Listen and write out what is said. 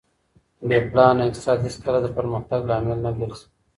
بې پلانه اقتصاد هېڅکله د پرمختګ لامل نه ګرځي.